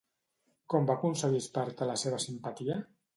Com va aconseguir Esparta la seva simpatia?